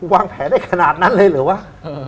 วางแผลได้ขนาดนั้นเลยเหรอวะ